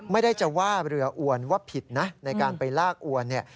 ไม่ได้จะว่าเรืออวนว่าผิดนะในการไปลากอวนเนี่ย